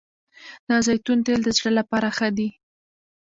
د زیتون تېل د زړه لپاره ښه دي